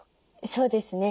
そうですね。